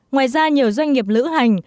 ngoài ra nhiều doanh nghiệp lữ hành